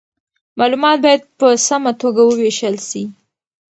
معلومات باید په سمه توګه وویشل سي.